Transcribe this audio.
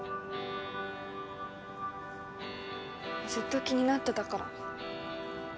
ずっと気になってたから。